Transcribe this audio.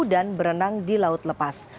berenang di laut lepas